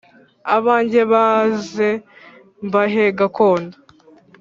Abanjye baze mbahe gakondo